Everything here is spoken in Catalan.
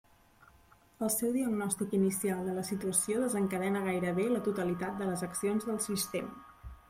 El seu diagnòstic inicial de la situació desencadena gairebé la totalitat de les accions del sistema.